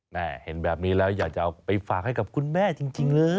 เห็นแบบนี้แล้วอยากจะเอาไปฝากให้กับคุณแม่จริงเลย